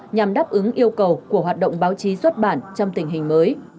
nhằm đáp ứng yêu cầu của hoạt động báo chí xuất bản trong tình hình mới